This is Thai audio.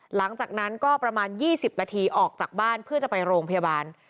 หลังจากนั้นก็ประมาณ๒๐นาทีออกจากบ้านเพื่อจะไปโรงพยาบาล